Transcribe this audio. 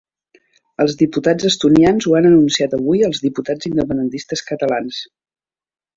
Els diputats estonians ho han anunciat avui als diputats independentistes catalans